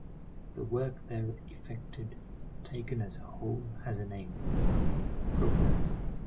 The work there effected, taken as a whole has a name: Progress.